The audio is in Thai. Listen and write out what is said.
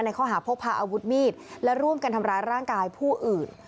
ข้อหาพกพาอาวุธมีดและร่วมกันทำร้ายร่างกายผู้อื่น